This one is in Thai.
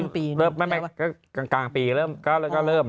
นานนี่ทำตั้งแต่งกลางปีก็เริ่ม